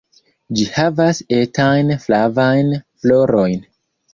Ĝi havas etajn flavajn florojn.